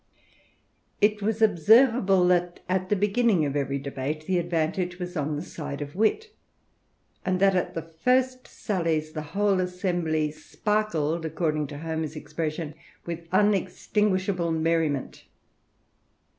It was observable, that, at the beginning of every debatei tbe advantage was on the side of Wit; and that, at the first sallies, the whole assembly sparkled, according to Homer's expression, with unextinguishable merriment.